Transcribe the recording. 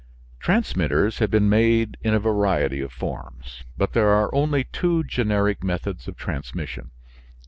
Transmitters have been made in a variety of forms, but there are only two generic methods of transmission.